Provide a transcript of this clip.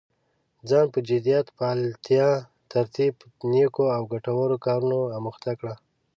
ځان په جديت، فعاليتا، ترتيب په نيکو او ګټورو کارونو اموخته کړه.